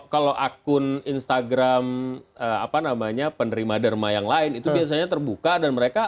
kalau akun instagram apa namanya penerima derma yang lain itu biasanya terbuka dan mereka